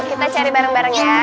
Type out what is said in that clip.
kita cari bareng bareng ya